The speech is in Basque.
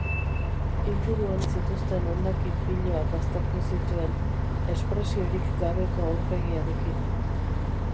Inguruan zituzten hondakin piloak aztertu zituen, espresiorik gabeko aurpegiarekin.